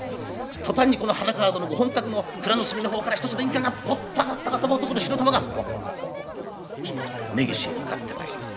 途端にこの花川戸のご本宅の蔵の隅の方から一つの陰火がポッと上がったかと思うとこの火の玉がホワホワホワホワ根岸へ向かってまいります。